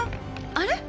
あれ？